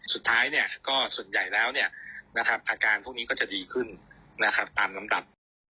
สุดท้ายก็ส่วนใหญ่แล้วอาการพวกนี้ก็จะดีขึ้นตามน้ำตัด